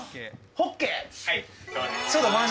ホッケー？